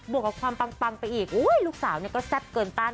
บวกกับความปังลูกสาวอีกก็แทบเกินตั้ง